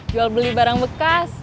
jual beli barang bekas